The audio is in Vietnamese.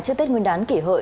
trước tết nguyên đán kỷ hợi